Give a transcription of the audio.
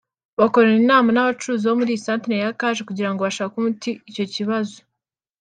bakorana inama n’abacuruzi bo muri iyi santeri ya Kaje kugira ngo bashakire umuti icyo kibazo